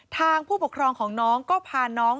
ผู้ปกครองของน้องก็พาน้อง